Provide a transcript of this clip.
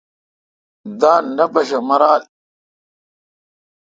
دان نہ پشو میرال۔